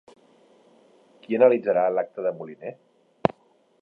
Qui analitzarà l'acte de Moliner?